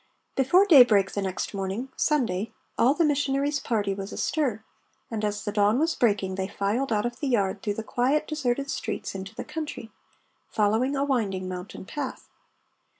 Before day break the next morning, Sunday, all the missionary's party was astir, and as the dawn was breaking they filed out of the yard through the quiet deserted streets into the country, following a winding mountain path.